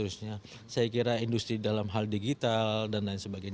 saya kira industri dalam hal digital dan lain sebagainya